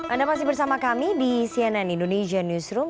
anda masih bersama kami di cnn indonesia newsroom